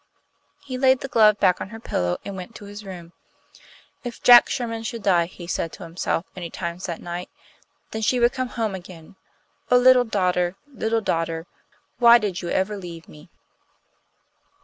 He laid the glove back on her pillow, and went to his room. "If Jack Sherman should die," he said to himself many times that night, "then she would come home again. Oh, little daughter, little daughter! why did you ever leave me?"